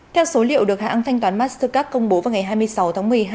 theo số liệu được hãng thanh toán mastercard công bố vào ngày hai mươi sáu tháng một mươi hai